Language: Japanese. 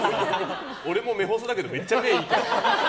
俺も目細だけどめっちゃ目、いいから。